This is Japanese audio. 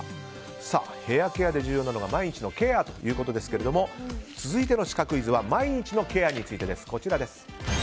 ヘアケアで重要なのが毎日のケアということですが続いてのシカクイズは毎日のケアについてです。